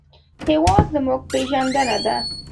هېواد زموږ پېژندنه ده